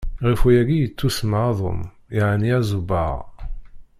Ɣef wayagi i yettusemma Adum, yeɛni Azubaɣ.